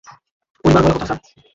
পরিবার বলে কথা, স্যার।